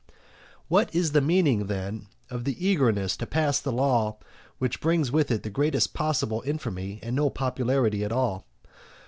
What is the meaning, then, of the eagerness to pass the law which brings with it the greatest possible infamy, and no popularity at all?